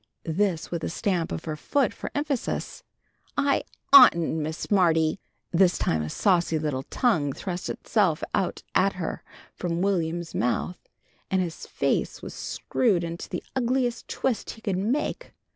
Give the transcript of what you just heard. This with a stamp of her foot for emphasis. "I oughtn't, Miss Smarty!" This time a saucy little tongue thrust itself out at her from Will'm's mouth, and his face was screwed into the ugliest twist he could make.